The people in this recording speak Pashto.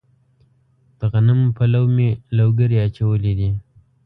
د غنمو په لو مې لوګري اچولي دي.